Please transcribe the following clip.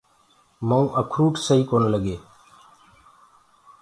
مؤُنٚ اکروٽ سئي ڪونآ لگينٚ۔